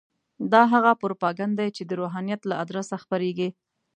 دا هغه پروپاګند دی چې د روحانیت له ادرسه خپرېږي.